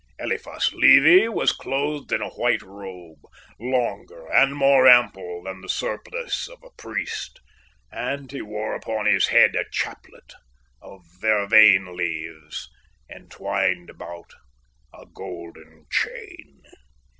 Eliphas Levi was clothed in a white robe, longer and more ample than the surplice of a priest, and he wore upon his head a chaplet of vervain leaves entwined about a golden chain.